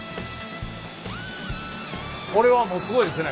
これはもうすごいですね。